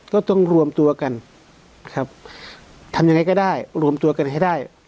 ก็ต้องรวมตัวกันครับทำยังไงก็ได้รวมตัวกันให้ได้